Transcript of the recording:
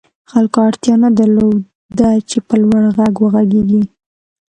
خلکو اړتیا نه درلوده چې په لوړ غږ وغږېږي